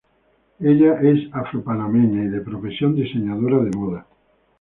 Ella es afro-panameña y de profesión diseñadora de moda.